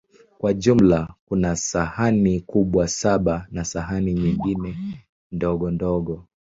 Kwa jumla, kuna sahani kubwa saba na sahani nyingi ndogondogo.